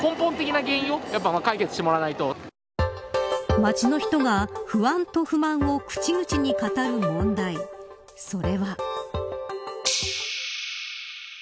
街の人が不安と不満を口々に語る問題それは。